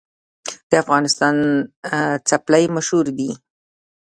د افغانستان څپلۍ مشهورې دي